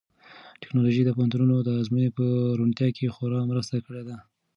ټیکنالوژي د پوهنتونونو د ازموینو په روڼتیا کې خورا مرسته کړې ده.